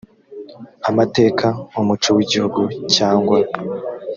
amateka umuco w igihugu cyangwa